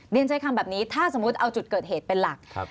ใช้คำแบบนี้ถ้าสมมุติเอาจุดเกิดเหตุเป็นหลัก